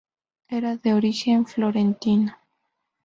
Era de origen florentino.